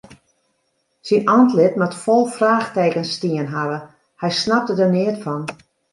Syn antlit moat fol fraachtekens stien hawwe, hy snapte der neat fan.